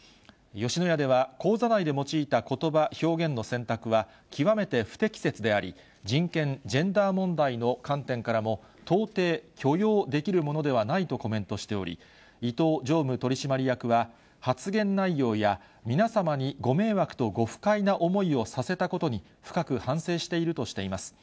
吉野家では、講座内で用いたことば、表現の選択は、極めて不適切であり、人権・ジェンダー問題の観点からも、到底許容できるものではないとコメントしており、伊東常務取締役は、発言内容や皆様にご迷惑とご不快な思いをさせたことに、深く反省しているとしています。